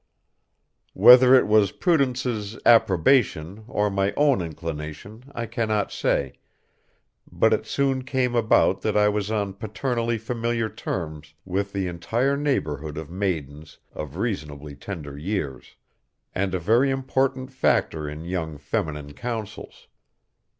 Whether it was Prudence's approbation or my own inclination I cannot say, but it soon came about that I was on paternally familiar terms with the entire neighborhood of maidens of reasonably tender years, and a very important factor in young feminine councils.